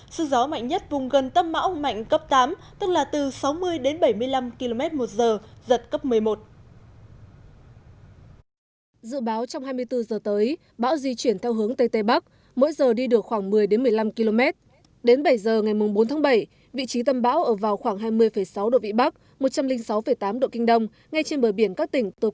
sức gió mạnh nhất vùng gần tâm bão mạnh cấp tám tức là từ sáu mươi đến bảy mươi năm km một giờ giật cấp một mươi một